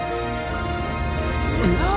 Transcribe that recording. えっ！